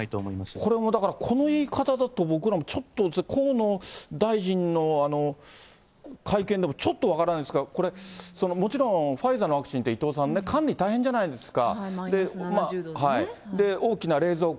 これもだから、この言い方だと、僕らもちょっと、河野大臣の会見でもちょっと分からないんですが、これ、もちろんファイザーのワクチンって伊藤さんね、管理大変じゃないですか。